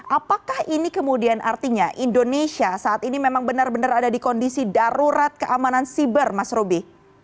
apakah ini kemudian artinya indonesia saat ini memang benar benar ada di kondisi darurat keamanan siber mas ruby